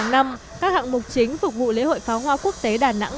đến ngày hai mươi hai tháng năm các hạng mục chính phục vụ lễ hội pháo hoa quốc tế đà nẵng